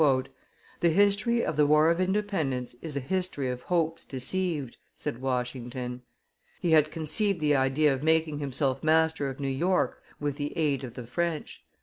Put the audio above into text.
"The history of the War of Independence is a history of hopes deceived," said Washington. He had conceived the idea of making himself master of New York with the aid of the French.